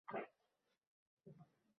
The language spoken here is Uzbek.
Bir mazhab bor edi, uning egasi Hey dedi